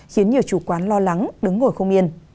khiến nhiều chủ quán lo lắng đứng ngồi không yên